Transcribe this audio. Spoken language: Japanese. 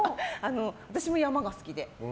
私も山が好きで。